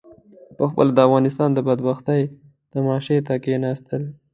پخپله د افغانستان د بدبختۍ تماشې ته کېنستل.